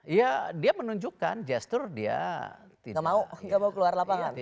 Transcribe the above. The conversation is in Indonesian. ya dia menunjukkan gestur dia nggak mau keluar lapangan